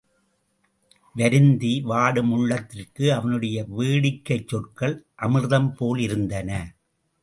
வருந்தி, வாடும் உள்ளத்திற்கு அவனுடைய வேடிக்கைச்சொற்கள் அமிர்தம் போலிருந்தன.